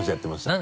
何？